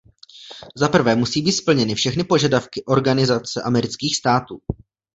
Zaprvé musí být splněny všechny požadavky Organizace amerických států.